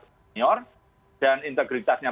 senior dan integritasnya